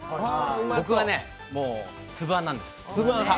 僕はね、つぶ餡なんです。